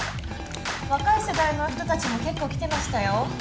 若い世代の人たちも結構来てましたよ。